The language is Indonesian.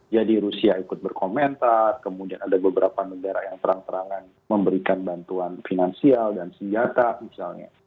jadi rusia ikut berkomentar kemudian ada beberapa negara yang terang terangan memberikan bantuan finansial dan senjata misalnya